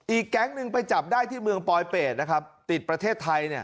อีกแก๊งก์นึงไปจับได้ที่เมืองปอยเปดติดประเทศไทย